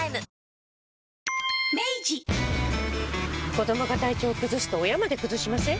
子どもが体調崩すと親まで崩しません？